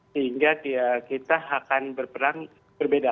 sehingga kita akan berperang berbeda